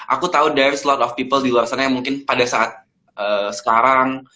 aku tau there is a lot of people di luar sana yang mungkin pada saat sekarang